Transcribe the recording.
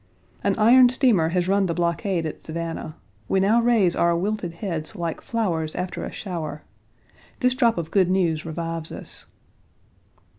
An iron steamer has run the blockade at Savannah. We now raise our wilted heads like flowers after a shower. This drop of good news revives us.